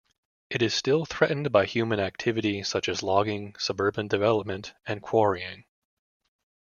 It is still threatened by human activity such as logging, suburban development, and quarrying.